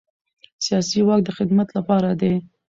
سیاسي واک د خدمت لپاره دی